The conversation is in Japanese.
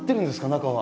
中は。